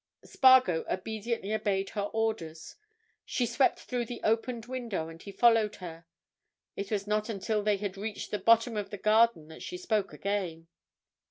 Spargo obediently obeyed her orders; she swept through the opened window and he followed her. It was not until they had reached the bottom of the garden that she spoke again.